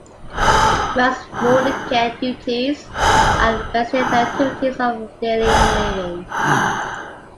Most morning care duties are basic activities of daily living.